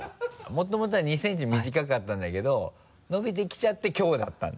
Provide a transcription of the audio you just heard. もともとは２センチ短かったんだけど伸びてきちゃってきょうだったんだ。